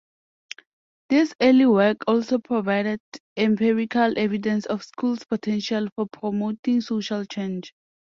This early work also provided empirical evidence of schools' potential for promoting social change.